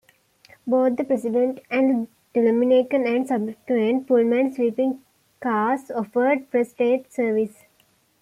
Both the "President" and the "Delmonico" and subsequent Pullman sleeping cars offered first-rate service.